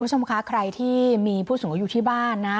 คุณผู้ชมคะใครที่มีผู้สูงอายุอยู่ที่บ้านนะ